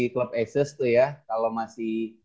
club asus tuh ya kalo masih